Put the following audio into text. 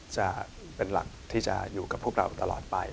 จะเป็นหลักที่จะอยู่กับพวกเราตลอดไป